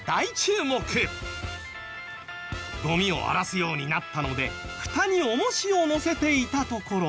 ゴミを荒らすようになったのでフタに重しをのせていたところ。